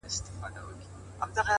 • يا په دار لكه منصور يا به سنگسار وي ,